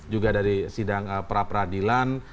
juga dari sidang peradilan